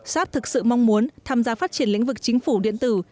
sáp thực sự mong muốn tham gia phát triển lĩnh vực chính phủ điện tử